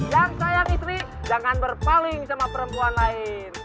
yang sayang istri jangan berpaling sama perempuan lain